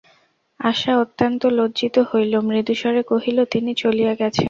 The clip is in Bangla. আশা অত্যন্ত লজ্জিত হইল–মৃদুস্বরে কহিল, তিনি চলিয়া গেছেন।